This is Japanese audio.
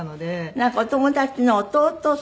なんかお友達の弟さん。